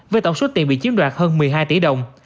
với tổng số tiền bị chiếm đoạt hơn một mươi hai tỷ đồng